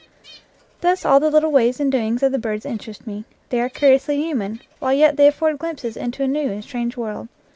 Thus all the little ways and doings of the birds interest me. They are curiously human, while yet they afford glimpses into a new and strange world.